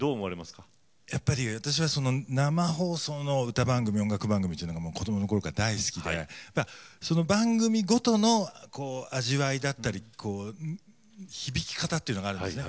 私は生放送の歌番組音楽番組というのが子どものころから大好きでその番組ごとの味わいだったり響き方というのがあるんですね。